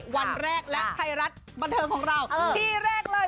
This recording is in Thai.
วันแรกและไทยรัฐบันเทิงของเราที่แรกเลย